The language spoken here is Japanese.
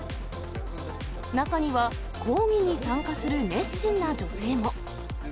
中には講義に参加する熱心な女性も。